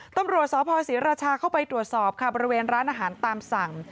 ตำรวจสพศรีราชาเข้าไปตรวจสอบค่ะบริเวณร้านอาหารตามสั่ง